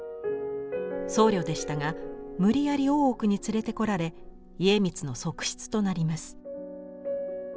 僧侶でしたが無理やり大奥に連れてこられ家光の側室となります。